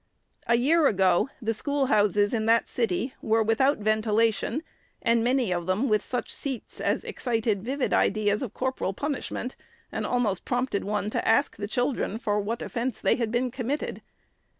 A year ago, the schoolhouses in that city were without ventilation, and many of them with such seats as excited vivid ideas of corporal punishment, and almost prompted one to ask the children for what offence they had been committed.